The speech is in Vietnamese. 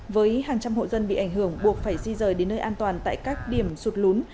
với hàng trăm hộ dân bị ảnh hưởng buộc phải di rời đến nơi an toàn tại các điểm sụt lún